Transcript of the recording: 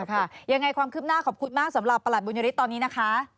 ยังไงความคืบหน้าขอบคุณมากสำหรับประหลัดบุญยฤทธิ์ตอนนี้นะคะ